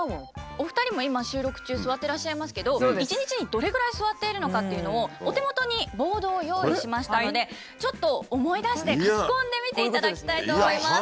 お二人も今収録中座ってらっしゃいますけど１日にどれぐらい座っているのかっていうのをお手元にボードを用意しましたのでちょっと思い出して書き込んでみていただきたいと思います。